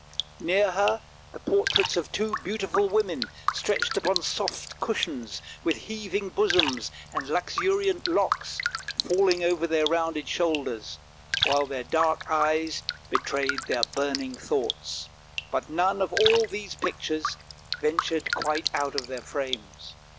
Near her the portraits of two beautiful women, stretched upon soft cushions, with heaving bosoms and luxuriant locks falling over their rounded shoulders, while their dark eyes betrayed their burning thoughts; but none of all these pictures ventured quite out of their frames.